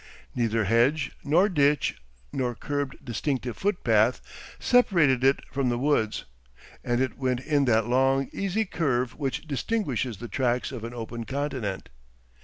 Neither hedge nor ditch nor curbed distinctive footpath separated it from the woods, and it went in that long easy curve which distinguishes the tracks of an open continent.